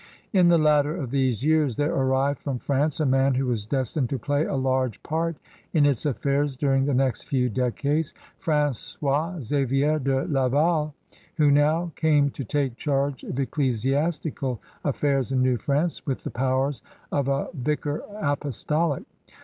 In the latter of these years there arrived from France a man who was destined to play a large part in its affairs during the nert few decades, FranQois Xavier de Laval, who now came to take charge of ecclesiastical affairs in New France with the powers of a vicar apostolic.